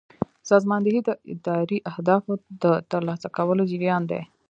سازماندهي د اداري اهدافو د ترلاسه کولو جریان دی.